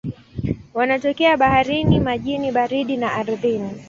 Wanatokea baharini, majini baridi na ardhini.